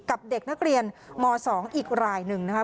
กับเด็กนักเรียนม๒อีกรายหนึ่งนะคะ